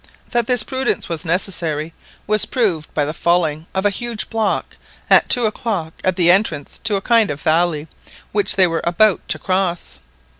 That this prudence was necessary was proved by the falling of a huge block, at two o'clock, at the entrance to a kind of valley which they were about to cross.